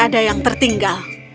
ada yang tertinggal